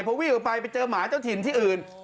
พอวิ่งออกไปไปเจอหมาเจ้าถิ่นที่อื่น